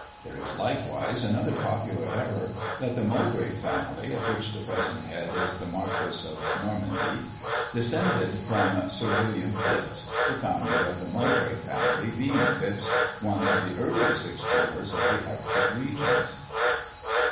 There is, likewise, another popular error, that the Mulgrave family, of which the present head is the Marquess of Normanby, descended from Sir William Phipps; the founder of the Mulgrave family being Phipps, one of the earliest explorers of the Arctic regions.